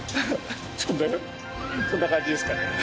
そんな感じですかね。